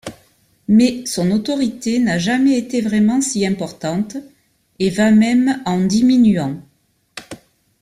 Mais son autorité n'a jamais été vraiment si importante, et va même en diminuant.